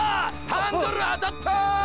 ハンドル当たったァ！！